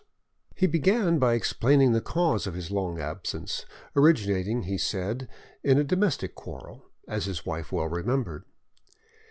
He began by explaining the cause of his long absence, originating, he said, in a domestic quarrel, as his wife well remembered.